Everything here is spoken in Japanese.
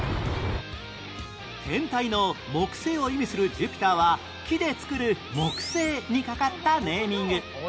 天体の「木星」を意味するジュピターは木で作る「木製」にかかったネーミング